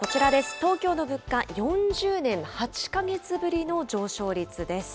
東京の物価、４０年８か月ぶりの上昇率です。